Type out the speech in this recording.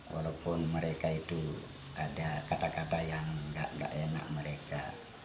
walaupun mereka itu ada kata kata yang gak enak mereka